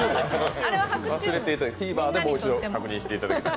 忘れていただいて、ＴＶｅｒでもう一度、確認していただいて。